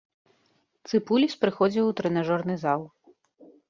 Цыпуліс прыходзіў у трэнажорны зал.